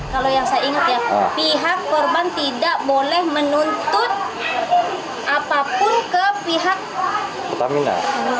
kalau yang saya ingat ya pihak korban tidak boleh menuntut apapun ke pihak pertamina